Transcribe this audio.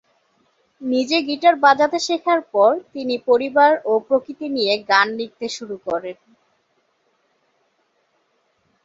নিজে গিটার বাজাতে শেখার পর, তিনি পরিবার ও প্রকৃতি নিয়ে গান লিখতে শুরু করেন।